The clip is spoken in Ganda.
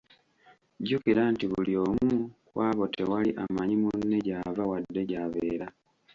Jjukira nti buli omu ku abo tewali amanyi munne gy’ava wadde gy’abeera.